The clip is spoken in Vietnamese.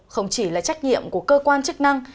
không chỉ là trách nhiệm của cơ quan chức năng